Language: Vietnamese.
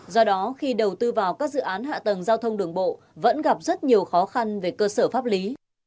do đó khi đầu tư vào các dự án hạ tầng giao thông đường bộ vẫn gặp rất nhiều khó khăn về cơ sở pháp lý